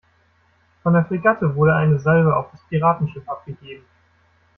Von der Fregatte wurde eine Salve auf das Piratenschiff abgegeben.